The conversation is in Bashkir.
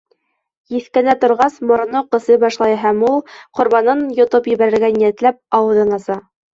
Еҫкәнә торғас, мороно ҡысый башлай һәм ул, ҡорбанын йотоп ебәрергә ниәтләп, ауыҙын аса.